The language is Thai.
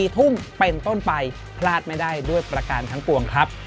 ๔ทุ่มเป็นต้นไปพลาดไม่ได้ด้วยประการทั้งปวงครับ